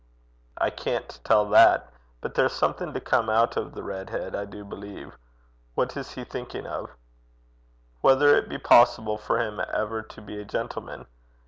'I can't tell that. But there's something to come out of the red head, I do believe. What is he thinking of?' 'Whether it be possible for him ever to be a gentleman.